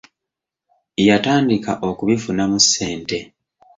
Yatandika okubifunamu ssente.